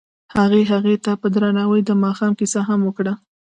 هغه هغې ته په درناوي د ماښام کیسه هم وکړه.